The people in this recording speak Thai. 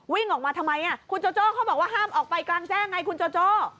วิ่งออกมาทำไมคุณโจโจ้เขาบอกว่าห้ามออกไปกลางแจ้งไงคุณโจโจ้